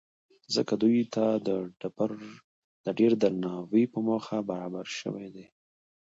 ځکه دوی ته د ډېر درناوۍ په موخه برابر شوي دي.